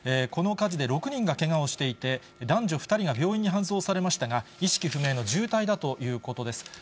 この火事で６人がけがをしていて、男女２人が病院に搬送されましたが、意識不明の重体だということです。